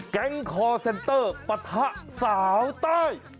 คอร์เซ็นเตอร์ปะทะสาวใต้